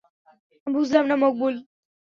বুঝলাম না, মকবুল।